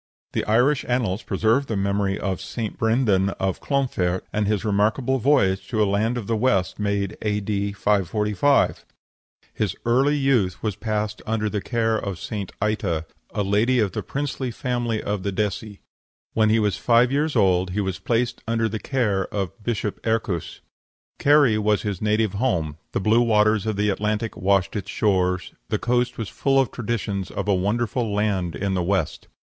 The Irish annals preserve the memory of St. Brendan of Clonfert, and his remarkable voyage to a land in the West, made A.D. 545. His early youth was passed under the care of St. Ita, a lady of the princely family of the Desii. When he was five years old he was placed under the care of Bishop Ercus. Kerry was his native home; the blue waves of the Atlantic washed its shores; the coast was full of traditions of a wonderful land in the West.